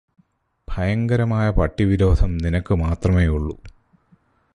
ഭയങ്കരമായ പട്ടി വിരോധം നിനക്കു മാത്രമേയുള്ളൂ.